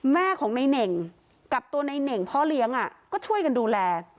แม่ของในเน่งกับตัวในเน่งพ่อเลี้ยงก็ช่วยกันดูแล